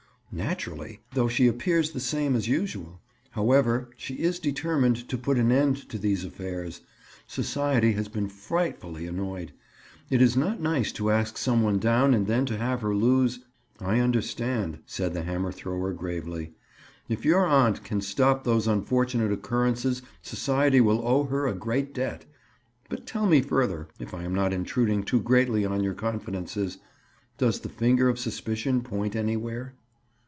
"Naturally—though she appears the same as usual. However, she is determined to put an end to these affairs. Society has been frightfully annoyed. It is not nice to ask some one down and then to have her lose—" "I understand," said the hammer thrower gravely. "If your aunt can stop these unfortunate occurrences society will owe her a great debt. But tell me further, if I am not intruding too greatly on your confidences, does the finger of suspicion point anywhere?"